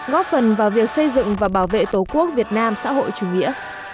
góp phần vào việc xây dựng và bảo vệ tổ quốc việt nam xã hội chủ nghĩa